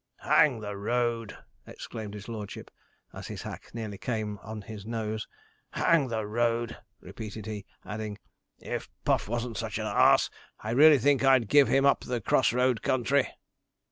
'Hang the road!' exclaimed his lordship, as his hack nearly came on his nose, 'hang the road!' repeated he, adding, 'if Puff wasn't such an ass, I really think I'd give him up the cross road country.'